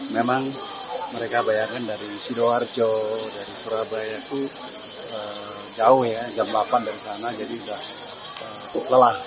memang mereka bayangkan dari sidoarjo dari surabaya itu jauh ya jam delapan dari sana jadi sudah cukup lelah